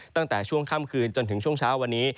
ตั้งแต่ช่วงค่ำคืนจนถึงช่วงเช้าวันนี้